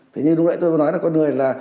thế nhưng lúc nãy tôi nói là con người là